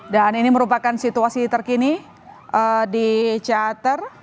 dan ini merupakan situasi terkini di ciater